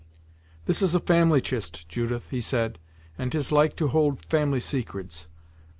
"This is a family chist, Judith," he said, "and 'tis like to hold family secrets.